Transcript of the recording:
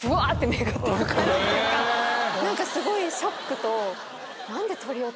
何かすごいショックと。